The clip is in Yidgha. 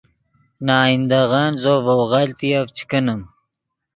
نے آئندغن زو ڤؤ غلطیف چے کینیم